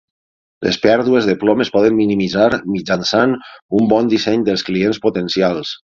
Les pèrdues de plom es poden minimitzar mitjançant un bon disseny dels clients potencials.